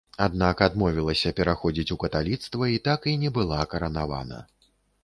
Аднак адмовілася пераходзіць у каталіцтва і так і не была каранавана.